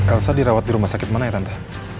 elsa dirawat di rumah sakit mana ya ranta